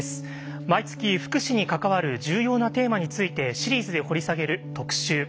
毎月福祉に関わる重要なテーマについてシリーズで掘り下げる特集。